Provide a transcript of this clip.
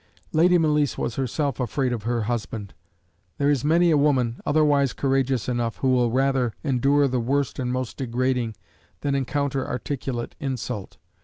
Lady Malice was herself afraid of her husband. There is many a woman, otherwise courageous enough, who will rather endure the worst and most degrading, than encounter articulate insult.